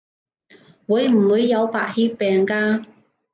會唔會有白血病㗎？